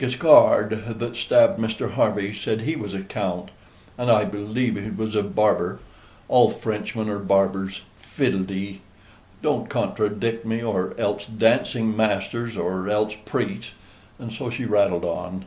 Guiscard, that stabbed Mr. Harvey, said he was a count; and I believe he was a barber. All Frenchmen are barbers Fiddledee! don't contradict me or else dancing masters, or else priests." And so she rattled on.